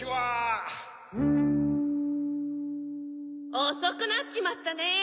おそくなっちまったね！